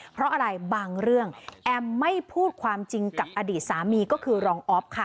เพราะอะไรบางเรื่องแอมไม่พูดความจริงกับอดีตสามีก็คือรองอ๊อฟค่ะ